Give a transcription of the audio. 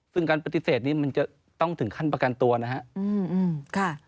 ซึ่งการปฏิเสธนี้มันจะต้องถึงขั้นประกันตัวนะครับ